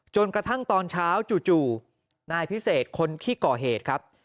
จนกระทั่งตอนเช้าจู่นายพิเศษคนที่ก่อเหตุครับ